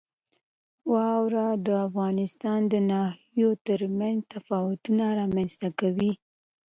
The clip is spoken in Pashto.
واوره د افغانستان د ناحیو ترمنځ تفاوتونه رامنځ ته کوي.